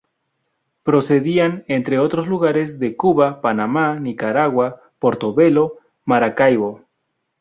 Procedían, entre otros lugares, de Cuba, Panamá, Nicaragua, Portobelo, Maracaibo.